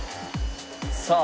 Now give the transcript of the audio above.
さあ！